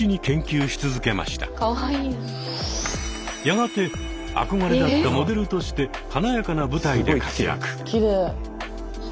やがて憧れだったモデルとして華やかな舞台で活躍。